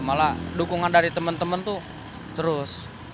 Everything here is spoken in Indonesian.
malah dukungan dari teman teman tuh terus